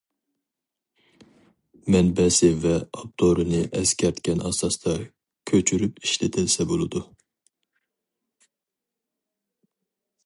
مەنبەسى ۋە ئاپتورىنى ئەسكەرتكەن ئاساستا كۆچۈرۈپ ئىشلىتىلسە بولىدۇ.